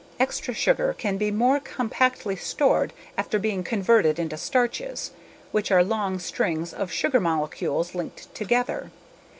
Extra sugar can be more compactly stored after being converted into starches, which are long strings of sugar molecules linked together.